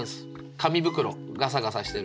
紙袋ガサガサしてる。